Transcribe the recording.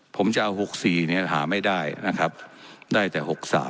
ผมจะเอา๖๔หาไม่ได้นะครับได้แต่๖๓